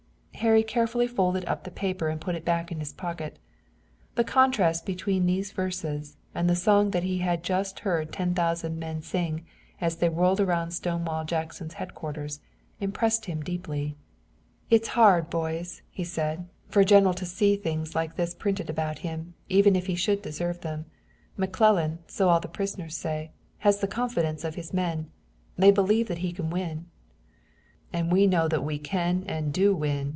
Harry carefully folded up the paper and put it back in his pocket. The contrast between these verses and the song that he had just heard ten thousand men sing, as they whirled around Stonewall Jackson's headquarters, impressed him deeply. "It's hard, boys," he said, "for a general to see things like this printed about him, even if he should deserve them. McClellan, so all the prisoners say, has the confidence of his men. They believe that he can win." "And we know that we can and do win!"